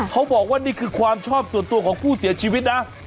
เขาบอกว่านี่คือความชอบส่วนตัวของผู้เสียชีวิตนะ